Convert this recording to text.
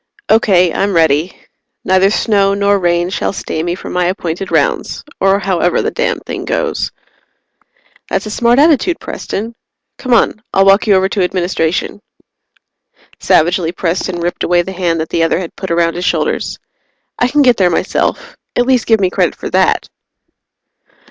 "Okay. I'm ready. Neither snow nor rain shall stay me from my appointed rounds, or however the damned thing goes." "That's a smart attitude, Preston. Come on I'll walk you over to Administration." Savagely, Preston ripped away the hand that the other had put around his shoulders. "I can get there myself. At least give me credit for that!"